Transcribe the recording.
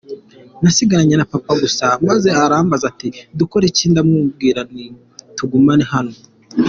Nasigaranye na Papa gusa maze arambaza ati ‘dukore iki?’ ndamubwira nti ‘tugume hano.